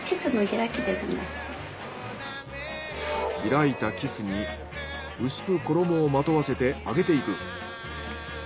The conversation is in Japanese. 開いたキスに薄く衣をまとわせて揚げていく。